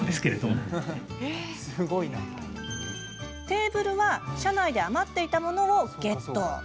テーブルは社内で余っていたものをゲット。